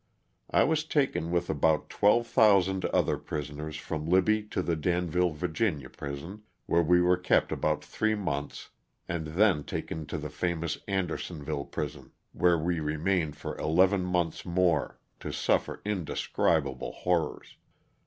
I was taken with about 12,000 other prisoners from Libby to the Danville, Va., prison, where we were kept about three months and then taken to the famous Andersonville prison, where we remained for eleven months more, to suffer indescrib able horrors.